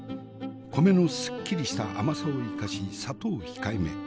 米のすっきりした甘さを生かし砂糖控えめ。